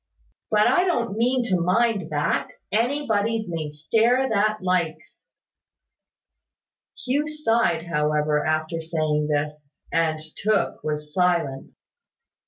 But I don't mean to mind that. Anybody may stare that likes." Hugh sighed, however, after saying this; and Tooke was silent.